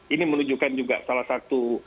ini menunjukkan juga salah satu